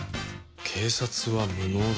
警察は無能だ。